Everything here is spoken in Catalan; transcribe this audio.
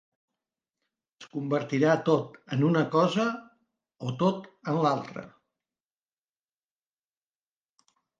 Es convertirà tot en una cosa o tot en l'altra.